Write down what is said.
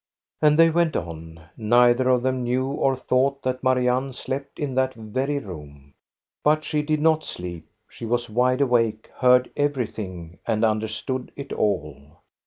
And they went on. Neither of them knew or thought that Marianne slept in that very room. But he did not sleep. She was wide awake, heard every ling, and understood it all.